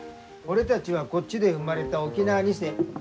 俺たちはこっちで生まれた沖縄二世。